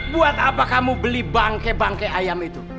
buat apa kamu beli bangkai bangkai ayam itu